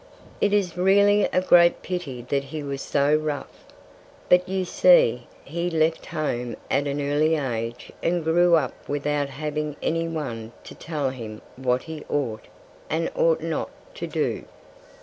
It is really a great pity that he was so rough. But you see, he left home at an early age and grew up without having any one to tell him what he ought and ought not to do.